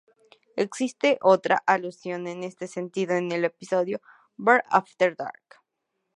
Existe otra alusión en este sentido en el episodio "Bart After Dark".